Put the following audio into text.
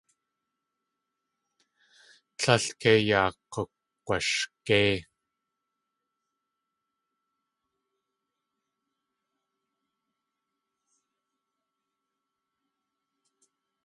Tlél kei yaa k̲ukg̲washgéi.